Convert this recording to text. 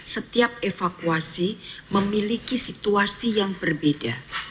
setiap evakuasi memiliki situasi yang berbeda